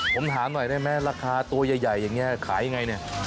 ผมถามหน่อยได้ไหมราคาตัวใหญ่อย่างนี้ขายยังไงเนี่ย